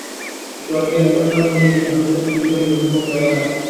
জলের পরিমাণ অনুযায়ী, এটি ভারতের তৃতীয় বৃহত্তম জলাধার।